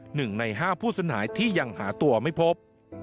หนึ่งในห้าผู้สูญหายที่ยังหาตัวไม่พบ